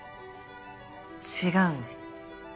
違うんです。